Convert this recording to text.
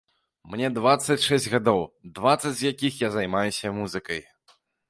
Мне дваццаць шэсць гадоў, дваццаць з якіх я займаюся музыкай.